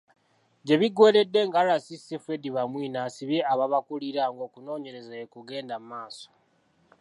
Gye biggweeredde nga RCC, Fred Bamwine asibye ababakulira ng'okunoonyereza bwe kugenda mu maaso.